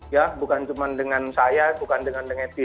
ya bukan cuma dengan saya bukan dengan deng edi